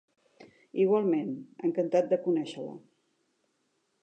Igualment, encantat de conèixer-la.